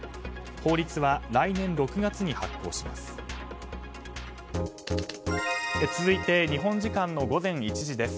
法律は来年６月に発行します。